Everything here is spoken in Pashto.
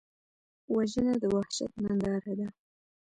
وژنه د وحشت ننداره ده